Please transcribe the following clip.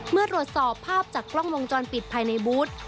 เมื่อตรวจสอบภาพจากกล้องวงจรปิดภายในบูธ